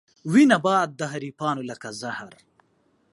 وي نبات د حريفانو لکه زهر